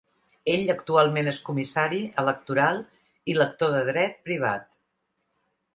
Ell actualment és comissari electoral i lector de dret privat.